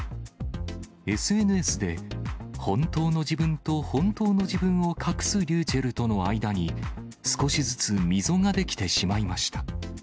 ＳＮＳで本当の自分と、本当の自分を隠すｒｙｕｃｈｅｌｌとの間に、少しずつ溝が出来てしまいました。